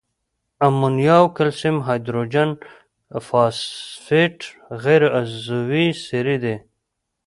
امونیا او کلسیم هایدروجن فاسفیټ غیر عضوي سرې دي.